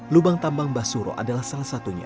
lubang tambang basuro adalah salah satunya